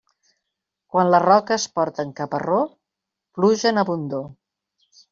Quan les roques porten caparró, pluja en abundor.